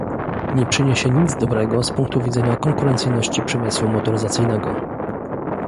Nie przyniesie nic dobrego z punktu widzenia konkurencyjności przemysłu motoryzacyjnego